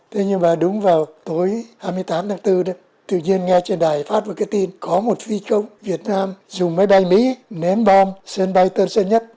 thế nhưng mà đúng vào tối hai mươi tám tháng bốn tự nhiên nghe trên đài phát một cái tin có một phi công việt nam dùng máy bay mỹ ném bom sân bay tân sơn nhất